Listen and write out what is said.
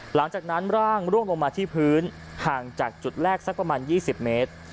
หลังจากนั้นร่างร่วงลงมาที่พื้นห่างจากจุดแรกสักประมาณ๒๐เมตร